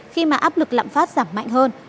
khi mà áp lực lạm phát giảm mạnh hơn